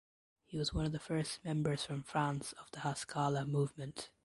He was one of the first members from France of the Haskalah movement.